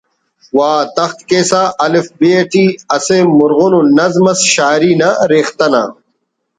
وا تخت کیسہ الف ب ٹی اسہ مُرغن ءُ نظم اس شاعری نا ریختہ نا